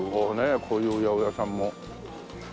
こういう八百屋さんも。